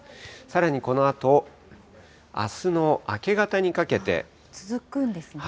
さらにこのあと、あすの明け方に続くんですね。